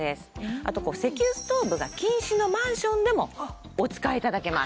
あと石油ストーブが禁止のマンションでもお使い頂けます。